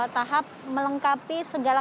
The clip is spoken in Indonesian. tahap melengkapi segala